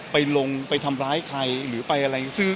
ไปลงไปทำร้ายใครหรือไปอะไร